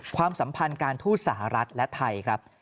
ความสัมพันธ์การทูตสหรัฐและไทยครับ